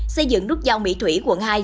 xây dựng nút giao mỹ thủy quận hai